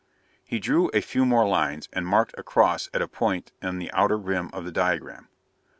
He drew a few more lines, and marked a cross at a point in the outer rim of the diagram.